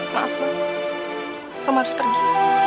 maaf bang rom harus pergi